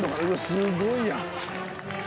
すごいやん。